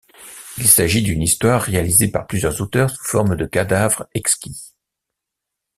Il s'agit d'une histoire réalisée par plusieurs auteurs sous forme de cadavre exquis.